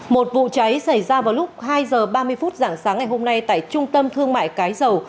một vụ cháy xảy ra vào lúc hai h ba mươi phút dạng sáng ngày hôm nay tại trung tâm thương mại cái dầu